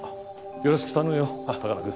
よろしく頼むよ鷹野君。